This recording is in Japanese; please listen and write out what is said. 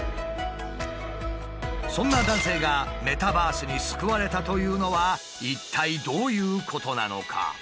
そんな男性がメタバースに救われたというのは一体どういうことなのか？